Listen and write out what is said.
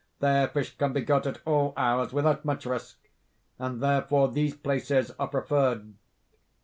There fish can be got at all hours, without much risk, and therefore these places are preferred.